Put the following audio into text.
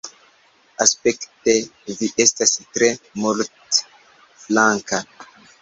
Aspekte vi estas tre multflanka.